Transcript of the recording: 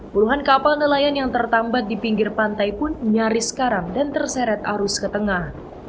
puluhan kapal nelayan yang tertambat di pinggir pantai pun nyaris karam dan terseret arus ke tengah